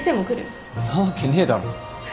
んなわけねえだろ。